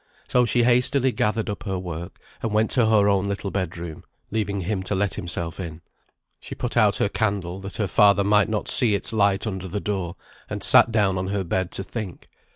So she hastily gathered up her work, and went to her own little bed room, leaving him to let himself in. She put out her candle, that her father might not see its light under the door; and sat down on her bed to think.